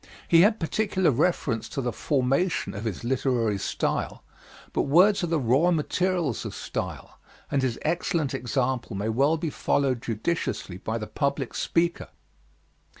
He had particular reference to the formation of his literary style, but words are the raw materials of style, and his excellent example may well be followed judiciously by the public speaker.